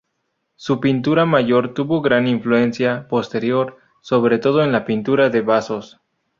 Su pintura mayor tuvo gran influencia posterior, sobre todo en la pintura de vasos.